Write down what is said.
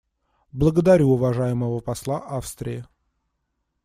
Благодарю уважаемого посла Австрии.